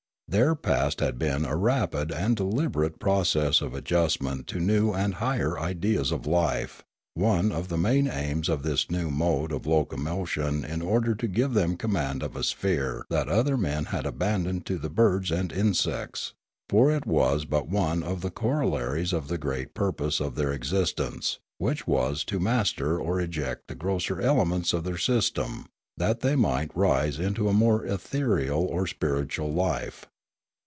Their past had been a rapid and deliberate process of adjustment to new and higher ideas of life, one of the main aims being this new mode of locomo tion in order to give them command of a sphere that other men had abandoned to the birds and insects; for it was but one of the corollaries of the great pur pose of their existence, which was to master or eject the grosser elements of their system, that they might rise into a more ethereal or spiritual life.